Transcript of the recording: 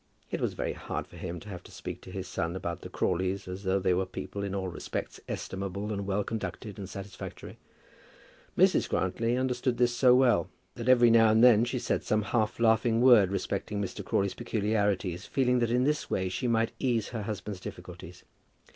It was very hard for him to have to speak to his son about the Crawleys as though they were people in all respects estimable and well conducted, and satisfactory. Mrs. Grantly understood this so well, that every now and then she said some half laughing word respecting Mr. Crawley's peculiarities, feeling that in this way she might ease her husband's difficulties.